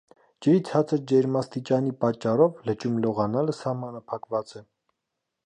Ջրի ցածր ջերմաստիճանի պատճառով լճում լողանալը սահմանափակված է։